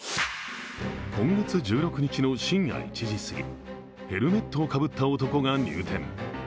今月１６日の深夜１時すぎ、ヘルメットをかぶった男が入店。